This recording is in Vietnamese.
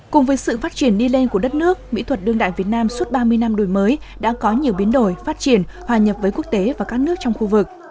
cùng với sự phát triển đi lên của đất nước mỹ thuật đương đại việt nam suốt ba mươi năm đổi mới đã có nhiều biến đổi phát triển hòa nhập với quốc tế và các nước trong khu vực